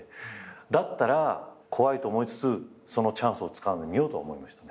だったら怖いと思いつつそのチャンスをつかんでみようと思いましたね。